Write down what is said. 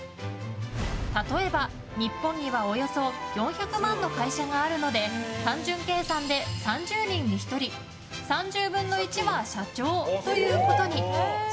例えば、日本にはおよそ４００万の会社があるので単純計算で３０人に１人３０分の１は社長ということに。